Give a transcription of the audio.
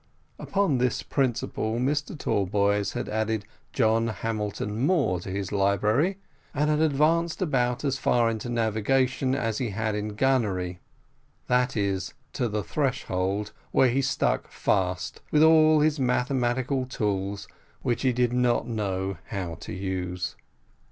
Upon this principle Mr Tallboys had added John Hamilton Moore to his library, and had advanced about as far into navigation as he had in gunnery, that is, to the threshold, where he stuck fast, with all his mathematical tools, which he did not know how to use.